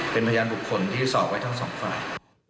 เป็นพยานจุบขนที่สอบไว้ทั้ง๒ฝ่าย